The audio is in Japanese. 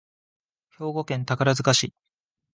兵庫県宝塚市